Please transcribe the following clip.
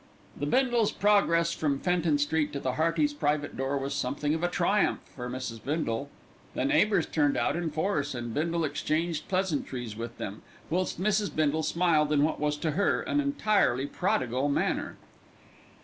The Bindles' progress from Fenton Street to the Heartys' private door was something of a triumph for Mrs. Bindle. The neighbours turned out in force, and Bindle exchanged pleasantries with them, whilst Mrs. Bindle smiled in what was to her an entirely prodigal manner.